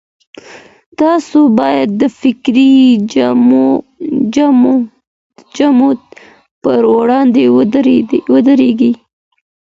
تاسو بايد د فکري جمود پر وړاندې ودرېږئ.